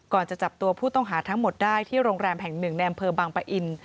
จะจับตัวผู้ต้องหาทั้งหมดได้ที่โรงแรมแห่งหนึ่งในอำเภอบางปะอิน